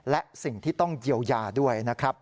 และสิ่งที่ต้องเยียวยาด้วยนะครับ